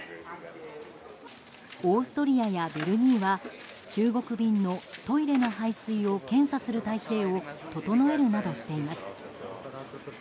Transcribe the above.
オーストリアやベルギーは中国便のトイレの排水を検査する体制を整えるなどしています。